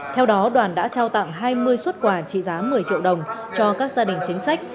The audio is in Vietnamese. theo đó đoàn đã trao tặng hai mươi xuất quà trị giá một mươi triệu đồng cho các gia đình chính sách